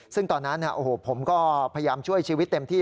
ซึ่งตอนนั้นผมก็พยายามช่วยชีวิตเต็มที่